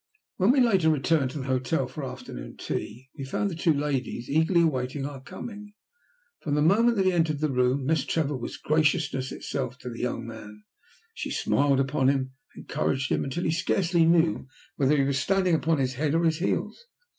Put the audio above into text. When later we returned to the hotel for afternoon tea, we found the two ladies eagerly awaiting our coming. From the moment that he entered the room, Miss Trevor was graciousness itself to the young man. She smiled upon him, and encouraged him, until he scarcely knew whether he was standing upon his head or his heels.